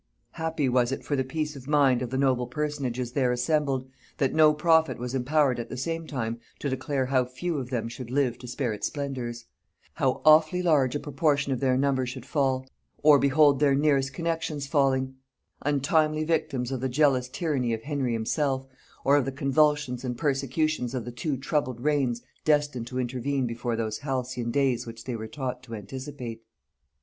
Happy was it for the peace of mind of the noble personages there assembled, that no prophet was empowered at the same time to declare how few of them should live to share its splendors; how awfully large a proportion of their number should fall, or behold their nearest connexions falling, untimely victims of the jealous tyranny of Henry himself, or of the convulsions and persecutions of the two troubled reigns destined to intervene before those halcyon days which they were taught to anticipate!